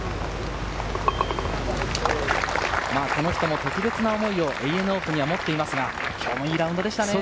この人も特別な思いをＡＮＡオープンには持っていますが、今日もいいラウンドでしたね。